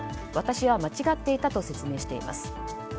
私は間違っていたと説明しています。